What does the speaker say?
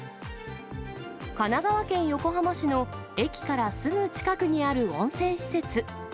神奈川県横浜市の駅からすぐ近くにある温泉施設。